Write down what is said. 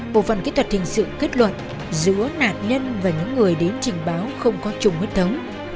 bộ phần kỹ thuật hình sự kết luận giữa nạn nhân và những người đến trình báo không có trùng huyết thống